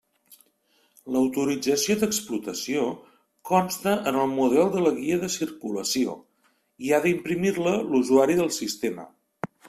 L'autorització d'explotació consta en el model de guia de circulació, i ha d'imprimir-la l'usuari del sistema.